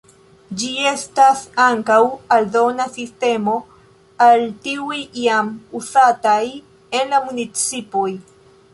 Ĝi estas ankaŭ aldona sistemo al tiuj jam uzataj en la municipoj.